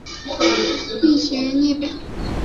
腧穴列表